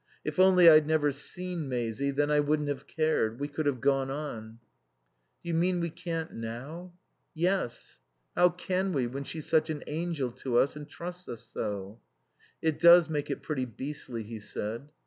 If only I'd never seen Maisie then I wouldn't have cared. We could have gone on." "Do you mean we can't now?" "Yes. How can we when she's such an angel to us and trusts us so?" "It does make it pretty beastly," he said.